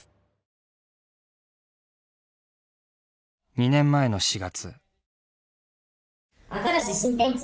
２年前の４月。